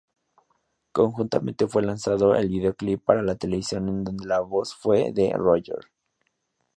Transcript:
Conjuntamente fue lanzado el videoclip para televisión en donde la voz fue de Roger.